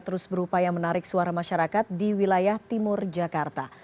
terus berupaya menarik suara masyarakat di wilayah timur jakarta